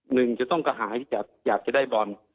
หนึ่งจะต้องกระหายที่อยากจะได้บอล